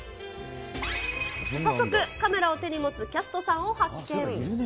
早速、カメラを手に持つキャストさんを発見。